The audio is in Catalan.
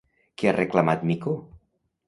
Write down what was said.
Què ha reclamat Micó?